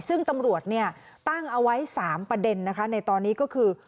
ซึ่งตำรวจตั้งเอาไว้๓ประเด็นนะคะในตอนนี้ก็คือ